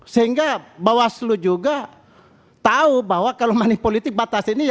sehingga bawaslu juga tahu bahwa kalau money politik batas ini